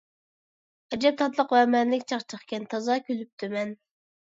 ئەجەب تاتلىق ۋە مەنىلىك چاقچاقكەن! تازا كۈلۈپتىمەن.